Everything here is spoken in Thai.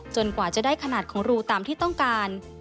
กว่าจะได้ขนาดของรูตามที่ต้องการ